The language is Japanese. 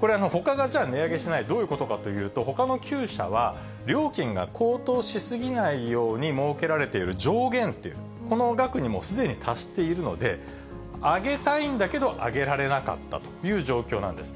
これ、ほかがじゃあ、値上げしない、どういうことかというと、ほかの９社は、料金が高騰し過ぎないように設けられている上限というの、この額に、もうすでに達しているので、上げたいんだけど上げられなかったという状況なんです。